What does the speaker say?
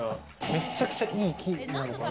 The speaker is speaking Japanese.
めちゃくちゃいい木なのかな。